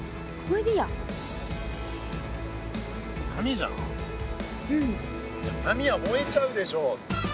いや紙は燃えちゃうでしょ。